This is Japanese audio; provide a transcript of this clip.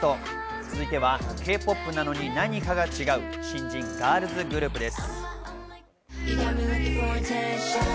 続いてはＫ−ＰＯＰなのに何かが違う、新人ガールズグループです。